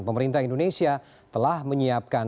pemerintah indonesia telah menyiapkan